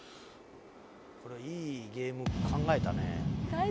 これはいいゲーム考えたね。